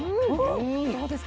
どうですか？